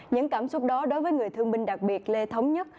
những cảm xúc đó đối với người thương binh đặc biệt lê thống nhất